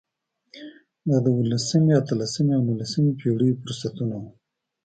دا د اولسمې، اتلسمې او نولسمې پېړیو فرصتونه وو.